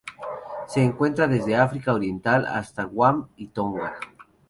Se encuentra desde África Oriental hasta Guam y Tonga.